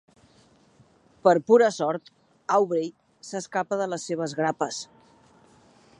Per pura sort, Aubrey s'escapa de les seves grapes.